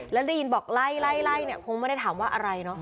แล้วได้ยินบอกไล่เนี่ยคงไม่ได้ถามว่าอะไรเนอะ